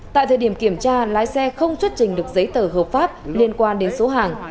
tại thời điểm kiểm tra lái xe không xuất trình được giấy tờ hợp pháp liên quan đến số hàng